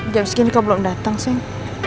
jam segini kau belum datang sayang